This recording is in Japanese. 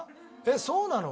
そうなの？